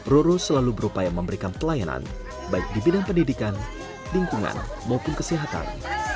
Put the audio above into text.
roro selalu berupaya memberikan pelayanan baik di bidang pendidikan lingkungan maupun kesehatan